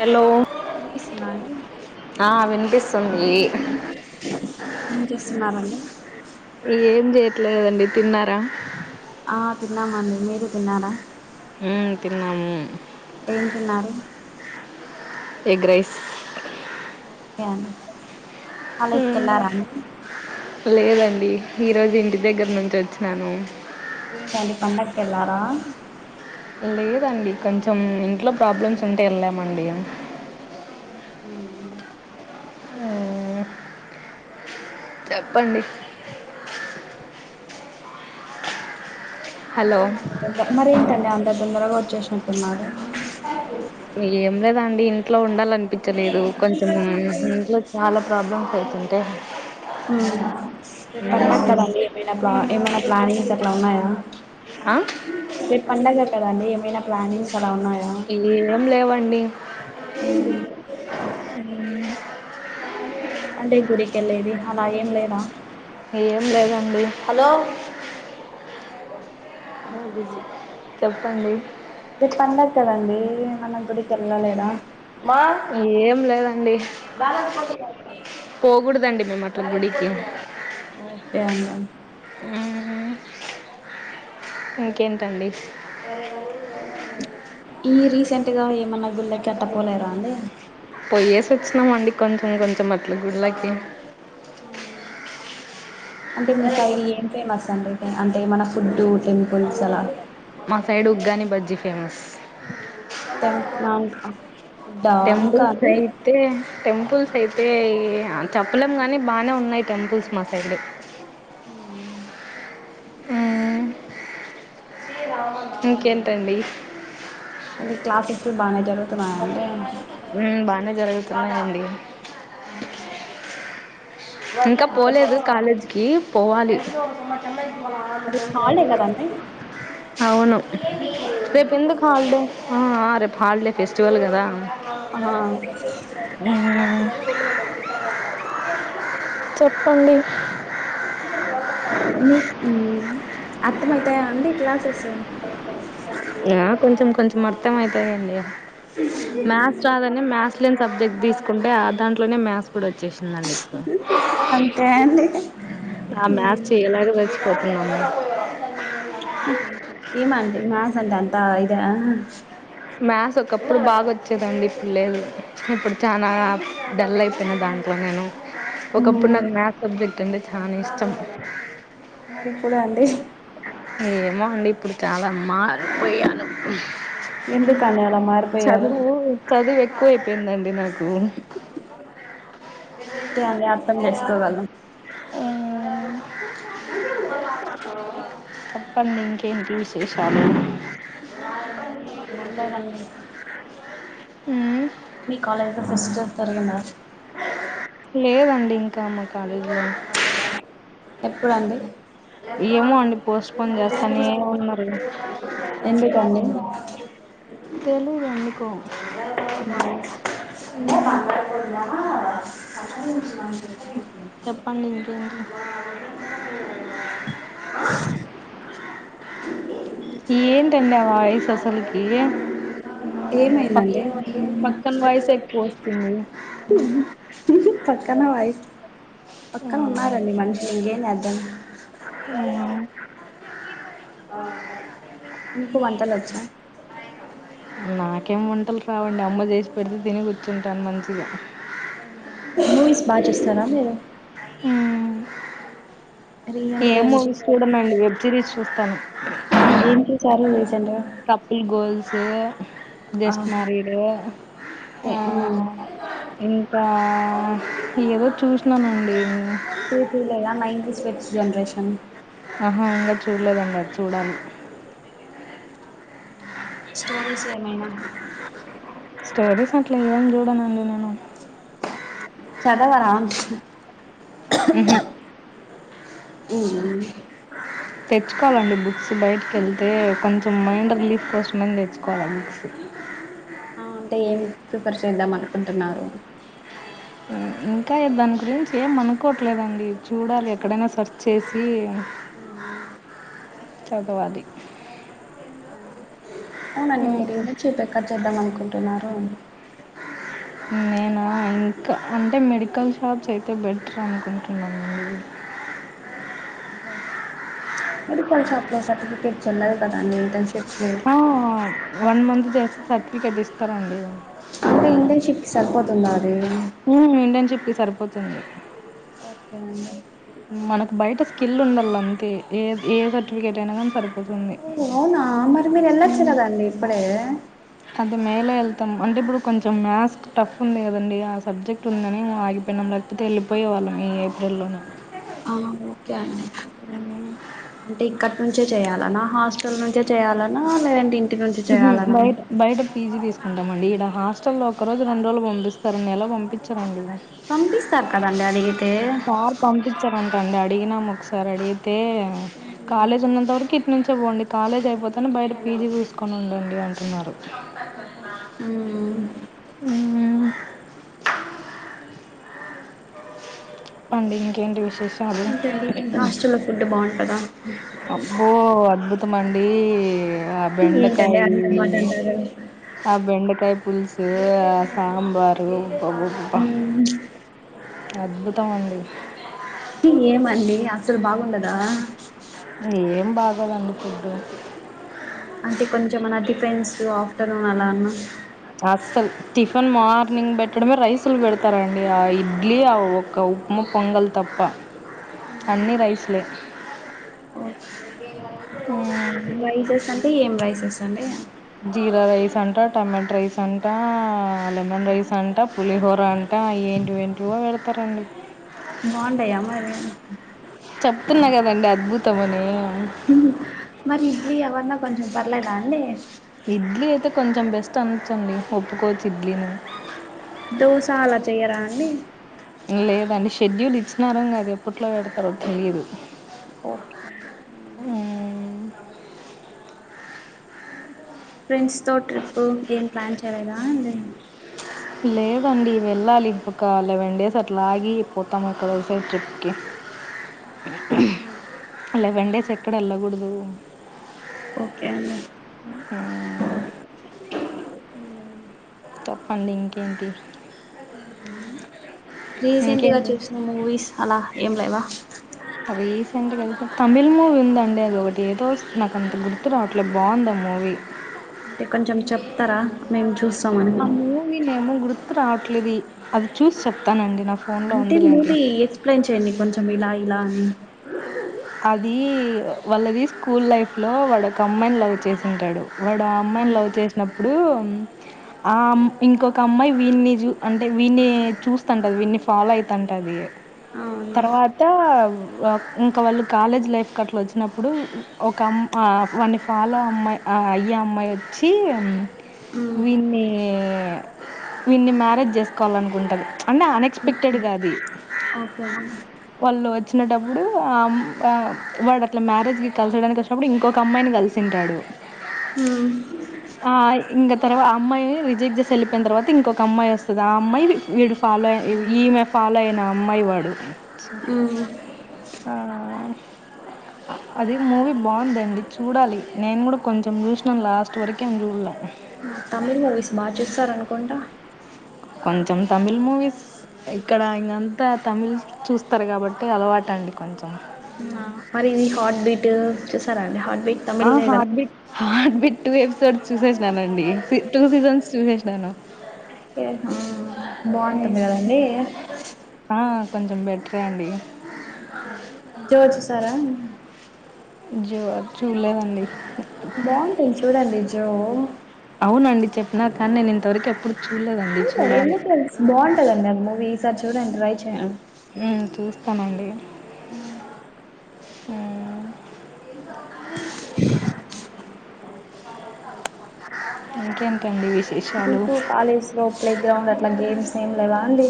Hello వినిపిస్తుంద అండి ఆ వినిపిస్తుంది ఏంచేస్తున్నారండి లేదండి తిన్నారా ఆ తిన్నామండి మీరు తిన్నారా హ్మ్ తిన్నాము ఏం తిన్నారు ఎగ్ రైస్ ఓకే అం లేదండి ఈరోజు ఇంటి దగ్గర నుంచి వచ్ చ్చినాను ఏంటండి పండక్కెల్లార లేదండి కొంచెం ఇంట్లో ప్రాబ్లమ్స్ ఉంటే ఎల్లామండి ఆ చెప్పండి హలో మరే మంటంద మరంత తల్ అంద తొందరగా వచ్చేసినట్టున్నారు ఏం లేదండి ఇంట్లో ఉండల్లన్ చ్చలేదు కొంచెం ఇంట్లో చాలా ప్రాబ్లమ్స్ అవుతుంటే మ్మ్. రేపు పండగ హ్మ్ ల ఉన్నాయా రేపు పండగ కద అండి ఏమైనా ప్లానింగ్ ఏం లేవండి అవు [unintelligible] అంటే గుడికిళ్ళేది అలా ఏం లేదా ఏం లేదండి హలో ఉమ్ బిజి చెప్పండి రేప్ పండగ కదండి ఏమైన గుడికి వెళ్ళాలదా మా ఏం లేదండి పోకూడదండి మేము అట్ల గుడికి ఓకే అండి ఉమ్ ఇంకేంటండి ఈ రీసెంట్గా ఏమన్నా గుళ్ళకి అట్టపోలేదా అండి పోయ్యేసి వచ్చినామండి కొంచెం కొంచెం అట్ల గుళ్ళకి అంటే మీ సైడ్ ఏం ఫేమస్ అండి అంటే మన ఫుడ్డు టెంపుల్స్ అలా మా సైడ్ ఉగ్గాని బజ్జి ఫేమస్ టెం ఫుడ్డా ఇంకా టెంపుల్స్ అండి అయితే టెంపుల్స్ అయితే చెప్పలేం గాని బానే ఉన్నాయి టెంపుల్స్ మా సైడ్ ఉమ్ మ్ ఉమ్ ఇంకేంటండి అంటె క్లాసెస్లు బానే జరుగుతున్నాయా అండి ఉమ్ బానే జరుగుతున్నాయ్ అండి ఇంకా అర్థం పోలేదు అవు కాలేజీకి పోవాలి అది హాలిడే కదండి అవును రేపు ఎందుకు హాలిడే ఆ ఆ రేపు హాలిడే ఫెస్టివల్ కదా ఆ ఉమ్ చెప్పండి మీక్-మీ అర్థం అయితాయా అండి క్లాసెస్ మర్ధం అయితాయండి మ్యాథ్స్ రాదని మ్యాథ్స్ లేని సబ్జెక్ట్ తీసుకుంటే ఆ దాంట్లో ట్లోనే మ్యాస్ కూడా వచ్చేసిందండి అంతే అండి ఆ మ్యా థ్స్ చేయలేక సచ్చి పోతూ [unintelligible] ఈ మండి మ్యాస్ అంటళ్లు అంత ఇదా మ్యాథ్స్ ఒకప్పుడు బాగా వచ్చేదండి ఇప్పుడు లేదు ఇప్పుడు చానా డల్ అయిపోయిన దాంట్లో నేను ఒకప్పుడు మ్మ్. నాకు మ్యాథ్ సబ్జెక్ట్ అంటే చానా ఇష్టం మరి ఇప్పుడు అండి ఏమో అండి ఇప్పుడు చాలా మ్మా పోయాను ఎందుకండి అలా మారిపోయారు చదువు చదువుఎక్కు ఎక్కువై పోయి పయిందండి నా ఓకే అండి అర్థం చేసుకోగలం [inaudible] చెప్పండి ఇంకేంటి విశేషాలు ఏంటో నండి మీ కాలజ్ ఫెస్టివల్ తరగ నా లేదండి ఇంకా మ [unintelligible] ఎప్పుడండి ఏమో అండి పోస్ట్పోన్ చేస్తానే ఉన్నారు గా ఎందుకండి తెలుగు ఎండి చెప్పండి ఇంకేంటి క పక్ ఏమైందండి పక్కన వాయిస్ ఎక్కువ వస్తుంది పక్కనా వాయిస్ పక్కన ఉన్నారండి మనుషులు ఇంకేం కాదు ద హ్మ్ మీకు వంటలు వచ్చా నాకేం వంటలు రావండి అమ్మ చేసి పెడితే తిని కూర్చుంటాను మంచిగా మూవీస్ బాగా చేస్తారా మీరు ఆ ఏ రీసెంట్గా ఏం మూవీస్ చూసారు చూడనుఅండి వెబ్ సిరీస్ చూస్తాను ఏం చేసారు రిసెంట్ గా సె జస్ట్ మారీడ్ ఏ- ఉమ్, ఇంకా ఏదోజు చూసినానండి నే పలేదా మ ఇంస్ వెచ్చట్ జనరేషన్ ఆహా ఇంకా చూడలేదుంకా చూడాలి స్టోరీస్ ఏమైనా స్టోరీస్ అట్లా ఏం చూడనండి నేను చదవరా మ్హ ఉమ్. తెచ్చుకోవాలండి బుక్స్ బయటకి వెళ్తే, కొంచెం మైండ్ రిలీఫ్ కోసంమని తెచ్చుకోవాలి బుక్స్ ఆ అంటే ఏమి ప్రిఫర్ చేద్దాం అనుకుంటున్నారు ఇంకా దాని గురించి ఏం అనుకోవట్లేదండి చూడాలి ఎక్కడైనా సెర్చ్ చేసి చదవది అవునండి మీరు ఇంద చెపు ఎక్కడ చేద్దాం అనుకుంటున్నారు. అ నేనా ఇంకా అంటే మెడికల్ షాప్స్ అయితే బెటర్ అనుకుంటున్నానండి మెడికల్ షాప్ లో సర్టిఫికెట్ చెల్లదు కదండి ఇంటర్న్స్ ఆ వన్ మంత్ చేస్తే సర్టిఫికెట్ ఇస్తారండి తుల్లారి ఊ ఇంటర్న్షిప్ ది సరిపోతుంది ఓకే అండి మనకు బయట స్కిల్ ఉండాల అంతే ఏ ఏ సర్టిఫికెట్ అయినా కానీ సరిపోతుంది ఓ అవునా మరి మీరు ఊ వెళ్ళొచ్చు కదండి ఇప్పుడే అంటే మే లే ఎళ్తాం అంటే ఇప్పుడు కొంచెం మ్యాథ్స్ టఫ్ ఉంది కదండి ఆ సబ్జెక్ట్ ఉందని ఆగిపోయినాం లేకపోతే వెళ్ళిపోయే వాళ్ళం ఈ ఏప్రెల్లోనే ఆ ఓకే అండి అంటే ఇక్కడి నుంచే చేయాలనా హాస్టల్ నుంచే చేయాలనా లేదంటే నుంచి ఊహూ చేయాలనా బయట బయట పీ‌జీ తీసుకుని డమండి ఈడ హాస్టల్లో లో ఒక రోజు రెండు రోజులు పంపిస్తారు నెల పంపించ్చరండి పంపిస్తారు కదండి అడిగి సార్ పంపిచ్చరన్ వండి అడిగినాం ఒక్కసారి అడిగి తే కాలేజ్ ఉన్నంత వరకి ఇట్నుంచ్ తేవోండి కాలేజ్ అయిపోతేనే బయట పీజీ తీసుకొని ఉండండి అంటున్నారు మ్మ్. ఊ ప్పండి ఇంకేంటి వి ఏంటండి మీ హాస్టల్లో లో ఫుడ్ బాగుంటదా అబ్బో అద్భుతమండీ ఆ ఏంటండి బెండకాయి అంత మాట అంటారు ఆ బెండకాయి పులుసు ఆ సాంబారు బబ్బబబ్బ ప్చ్. అద్భుతం అండి ఏమండి అస్సలు బాగుండదా ఏం బాగోదండి ఫుడ్డు అయ్యో ఆఫ్టర్నూన్ అలా అన్నా అస్సల్ టిఫిన్ మార్నింగ్ పెట్టడమే రైసులు పెడతారండి, ఆ ఇడ్లీ, ఆ ఒక ఉప్మా, పొంగల్ తప్ప. మ్మ్ అన్నీ రైస్లే ఓకే రైసెస్ అంటే ఏం రైసెస్. దండిగా జీరా రైస్ అంటా టమేట్ రైస్ అంటా ఆ లెమన్ రైస్ అంటా పులిహోర్ ఇప్పుడు అంట ఏంటి ఏంటివో వెడతారండి బాంటయా మరి చెప్తున్నా కదండి అద్భుతమని మరి ఇడ్లీ అవన్న కొంచం పర్లేదా అండి ఇడ్లీ అయితే కొంచెం బెస్ అండి ఒప్పుకోవచ్చు ఇ డ్లీను దోస అలా చెయ్యరా అండి లేదండి షెడ్యూల్ ఇచ్చినార అది ఎప్పట్లో పెడతారో తెలీదు ఓకే అండి మ్మ్. అ ఫ్రెండ్స్తో ట్రిప్ ప్ ఏం ప్లాన్ చేయలేదా లేదండి వెళ్ళాలి ఇంకొక లెవెన్ డేస్ అట్లా ఆగి పోతాము ఎక్కడోసే ట్రిప్కి లెవెన్ డేస్ ఎక్కడ వెళ్ళకూడదు ఓకే అండి మ్మ్. చెప్పండి ఇంకేంటి ఉమ్ రీసెంట్గా ఇంకేంటి చూసిన మూవీస్ అలా ఏం లేవా అంటే గనుక తమిళ్ మూవీ ఉందండి అది ఒకటి ఏదో నాకు అంత గుర్తు రావట్లే బాగుంది ఆ మూవీ అంటే కొంచెం చెప్తారా మేము చూస్ ఆ మూవి నేము గుర్తురావ ట్లేది అది చూసి చెప్తానండి నా ఫోన్లో ఉందిలేండి చెండి కొంచెం ఇలా ఇలా అని అది వాళ్ళది స్కూల్ లైఫ్ లో వాడు ఒక అమ్మాయిని లావ్ చేసాడాడు వాడు ఆ అమ్మాయిని లవ్ చేసినప్పుడు ఆ అమ్ ఇంకొక అమ్మాయి వీన్ని చూ అంటే వీన్ని చూస్తాంటది వీన్ని ఫాలో అయితంటది అవును తర్వాత ఇంక వాళ్ళు కాలేజ్ లైఫ్కి అట్లా వచ్చినప్పుడు ఒక అమ్ వాని ఫాలో అమ్మాయి అయ్యే అమ్మాయి వచ్చి మ్మ్ విన్నీ వీన్ని మ్యారేజ్ చేసుకోవాలనుకుంటన్న అన్ అన్ఎక్స్పెక్టెడ్గాది ఓకే అండి వాళ్ళు వచ్ తినేటప్పుడు ఆమ్ ఆ వాడు అట్లా మ్యారేజ్కి కలిసడానికి వచ్చినప్పుడు ఇంకొక అమ్మాయిని కలిసుంటాడు మ్మ్ ఆ ఇంగ తర్వా అమ్మాయి రిజెక్ట్ చేసి వెళ్ళిపోయిన తర్వాత ఇంకొక అమ్మాయి వస్ తది ఆ అమ్మాయి వీడు ఫాలో ఈమే ఫాలో ఐన అమ్మాయి వాడు మ్మ్ ఆ అది మూవీ బాగుందండి చూడాలి నేను కూడా కొంచెం చూసినం లాస్ట్ వరకి ఏం చూడల తమిళ్ మూవీస్ బాగా చూస్తారనుకుంటా కొంచెం తమిళ్ మూవీస్ ఇక్కడ ఇకంతా తమిళ్ చూస్తారు కాబట్టి అలవాట్ ఆ పరివి హార్ట్ బీటు చూశారా అండి హార్ ఆ hot beat heart beat two episodes చుసేసినానండి టూ సీజన్స్ చూసేసినాను ఓకే ఆ, బాగుంటుంది కదండి కొంచం బెటరే అండి జో చూసార జో వ చూల్లేదండి బావుంటయ్ చూడండి జ్యో ఓ అవునండి చెప్పిన కానీ నేను ఇంతవరకు ఎప్పుడు చూల్లేదండి చూడలే చూడాలి ఒకసారి చూడండి ట్రై చేయన్ హ్మ్ చూస్తానండి మ్మ్ ఇంకేంటండి విస్ వి టూ కాలేజ్ లో ప్లే గ్రౌండ్ అట్లా గేమ్స్ ఏం లేవా అండి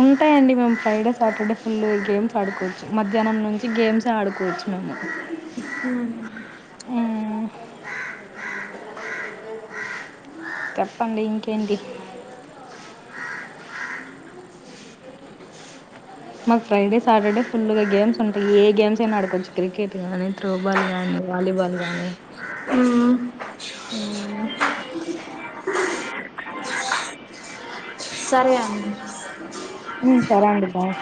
ఉంటాయండి మేము ఫ్రైడే సాటర్డే ఫుల్ గేమ్స్ ఆడుకోవచ్చు మధ్యాహ్నం నుంచి గేమ్సే ఆడుకోవచ్చు మేము ఉమ్ చెప్పండి ఇంకేంటి మాకు ఫ్రైడే సాటర్డే ఫుల్ గా గేమ్స్ ఉంటాయి ఏ గేమ్స్ అయినా ఆడకోవచ్చు క్రికెట్ గానీ త్రో బాల్గానీ వాలీబాల్ గాని ఉమ్ సరే అండి సరే అండి బాయ్